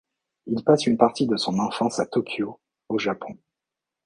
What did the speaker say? Il passe une partie de son enfance à Tokyo, au Japon.